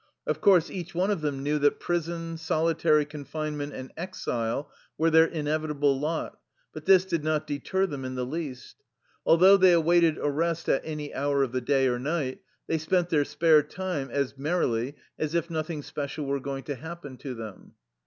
Of course, each one of them knew that prison, solitary confinement, and exile were their inevitable lot, but this did not deter them in the least. Al though they awaited arrest at any hour of the day or night, they spent their spare time as mer rily as if nothing special were going to happen to them.